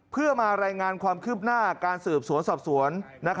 เพื่อมารายงานความคืบหน้าการสืบสวนสอบสวน